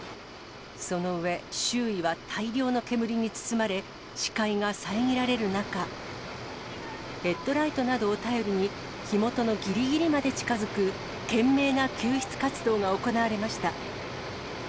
その上、周囲は大量の煙に包まれ、視界が遮られる中、ヘッドライトなどを頼りに、火元のぎりぎりまで近づく、懸命な救出活動が行われました。